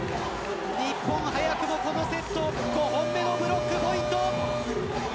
日本、早くもこのセット５本目のブロックポイント。